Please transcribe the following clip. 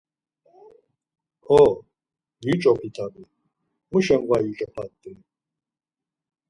Ho… Yuç̌opi tabi, muşen var yuç̌opat-i.